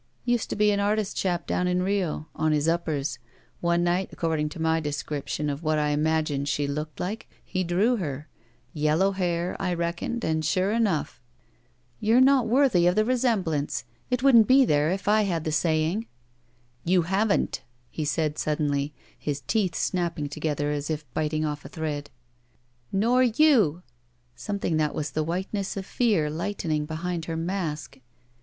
"Used to be an artist chap down in Rio. On his uppers. One night, according to my description of what I imagined she looked like, he drew her. Yel low hair, I reckoned, and sure enough —" "You're not worthy of the resemblance. It wouldn't be there if I had the saying." "You haven't," he said, suddenly, his teeth snapping together as if biting ofif a thread. "Nor you!" something that was the whiteness of fear lightening behind her mask.